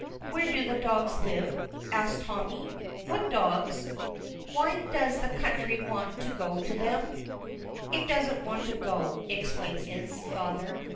"Where do the dogs live?" asks Tommy, "What dogs? Why does the country want to go to them?" "It doesn't want to go," explains his father.